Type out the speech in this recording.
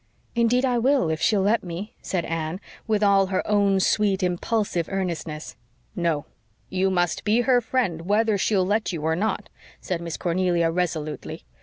"Indeed I will, if she'll let me," said Anne, with all her own sweet, impulsive earnestness. "No, you must be her friend, whether she'll let you or not," said Miss Cornelia resolutely.